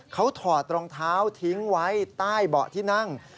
เขาถอดรองเท้าทิ้งไว้ใต้เบาะที่นั่ง